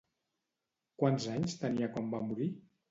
Quants anys tenia quan va morir?